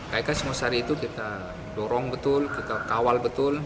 kk singosari itu kita dorong betul kita kawal betul